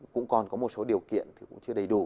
cũng còn có một số điều kiện thì cũng chưa đầy đủ